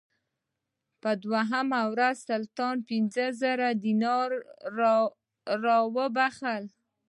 په دوهمه ورځ سلطان پنځه زره دیناره راوبخښل.